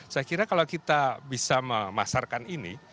saya kira kalau kita bisa memasarkan ini